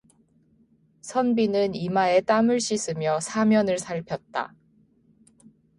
선비는 이마에 땀을 씻으며 사면을 살폈다.